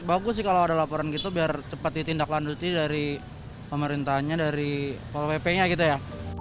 bagus sih kalau ada laporan gitu biar cepat ditindaklanjuti dari pemerintahnya dari pol pp nya gitu ya